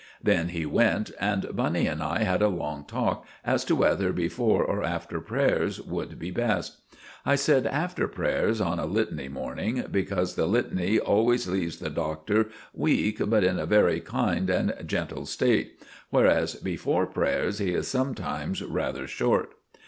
Then he went, and Bunny and I had a long talk as to whether before or after prayers would be best. I said after prayers on a Litany morning, because the Litany always leaves the Doctor weak but in a very kind and gentle state; whereas before prayers he is sometimes rather short.